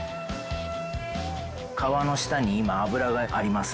皮の下に今脂があります。